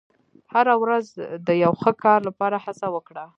• هره ورځ د یو ښه کار لپاره هڅه وکړه.